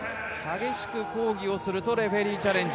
激しく抗議をするとレフェリーチャレンジ。